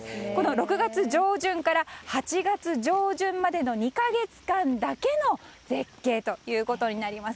６月上旬から８月上旬までの２か月だけの絶景ということになります。